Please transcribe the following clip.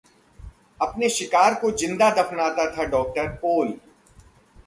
अपने शिकार को जिंदा दफनाता था डॉक्टर पोल!